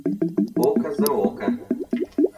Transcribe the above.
Око за око!